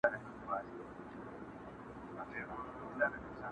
خپل اوبه وجود راټولومه نور .